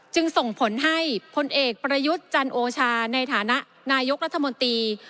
จึงส่งผลให้พลเอกประยุทธ์จันโอชาในฐานะนายกรัฐมนตรี